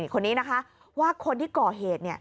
คนนี้นะคะว่าคนที่ก่อเหตุ